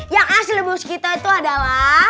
yang asli bus kita itu adalah